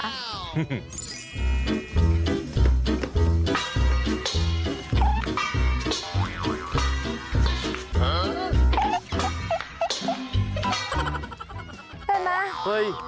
เห็นมั้ย